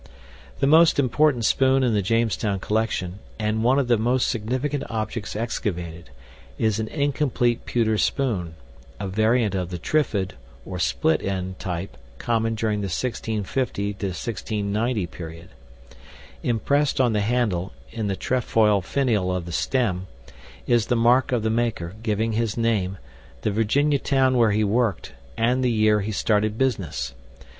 The most important spoon in the Jamestown collection, and one of the most significant objects excavated, is an incomplete pewter spoon a variant of the trifid, or split end, type common during the 1650 90 period. Impressed on the handle (in the trefoil finial of the stem) is the mark of the maker, giving his name, the Virginia town where he worked, and the year he started business.